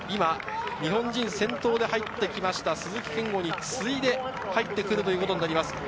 日本人の先頭で入ってきた鈴木健吾に次いで入ってくるということになります。